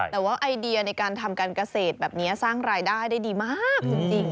แต่ว่าไอเดียในการทำการเกษตรแบบนี้สร้างรายได้ได้ดีมากจริง